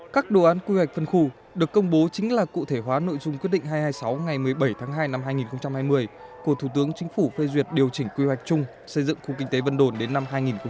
các đồ án quy hoạch phân khu được công bố chính là cụ thể hóa nội dung quyết định hai trăm hai mươi sáu ngày một mươi bảy tháng hai năm hai nghìn hai mươi của thủ tướng chính phủ phê duyệt điều chỉnh quy hoạch chung xây dựng khu kinh tế vân đồn đến năm hai nghìn ba mươi